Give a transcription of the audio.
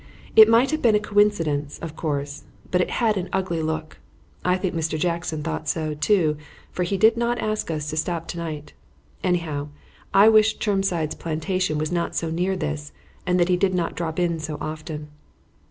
It might have been a coincidence, of course, but it had an ugly look. I think Mr. Jackson thought so, too, for he did not ask us to stop to night; anyhow, I wish Chermside's plantation was not so near this and that he did not drop in so often."